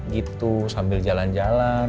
gitu sambil jalan jalan